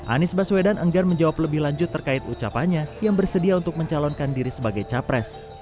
anies baswedan enggan menjawab lebih lanjut terkait ucapannya yang bersedia untuk mencalonkan diri sebagai capres